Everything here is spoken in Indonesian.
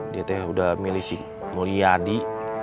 dia teh udah milih si mulyadi